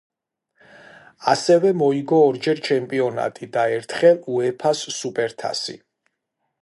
ასევე მოიგო ორჯერ ჩემპიონატი და ერთხელ უეფა-ს სუპერთასი.